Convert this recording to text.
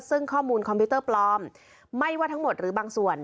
ซึ่งข้อมูลคอมพิวเตอร์ปลอมไม่ว่าทั้งหมดหรือบางส่วน